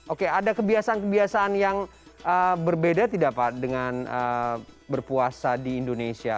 oke ada kebiasaan kebiasaan yang berbeda tidak pak dengan berpuasa di indonesia